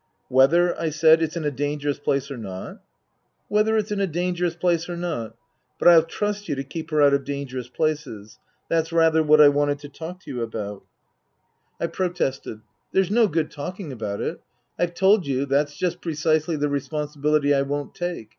" Whether," I said, " it's in a dangerous place or not ?"" Whether it's in a dangerous place or not. But I'll trust you to keep her out of dangerous places. That's rather what I wanted to talk to you about." 254 Tasker Jevons I protested. " There's no good talking about it. I've told you that's just precisely the responsibility I won't take.